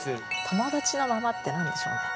「友達のまま」って何でしょうね。